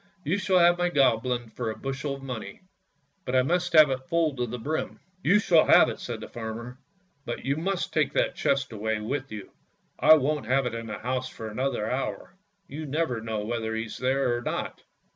" You shall have my Goblin for a bushel of money, but I must have it full to the brim! "" You shall have it," said the farmer; " but you must take that chest away with you; I won't have it in the house for another hour; you never know whether he's there or not."